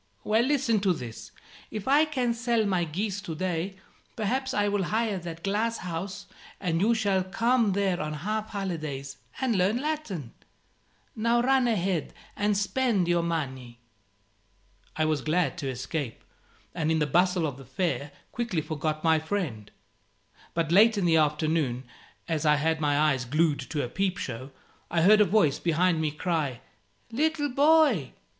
Well, listen to this: if I can sell my geese to day, perhaps I will hire that glass house, and you shall come there on half holidays, and learn Latin. Now run ahead and spend your money." I was glad to escape, and in the bustle of the fair quickly forgot my friend. But late in the afternoon, as I had my eyes glued to a peep show, I heard a voice behind me cry "Little boy!"